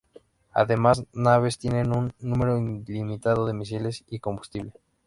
Ambas naves tienen un número limitado de misiles y combustible.